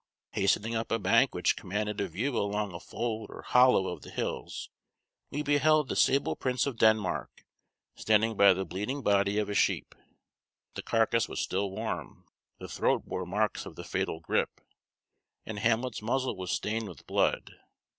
Hastening up a bank which commanded a view along a fold or hollow of the hills, we beheld the sable prince of Denmark standing by the bleeding body of a sheep. The carcass was still warm, the throat bore marks of the fatal grip, and Hamlet's muzzle was stained with blood.